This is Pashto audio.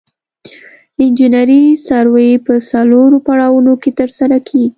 انجنیري سروې په څلورو پړاوونو کې ترسره کیږي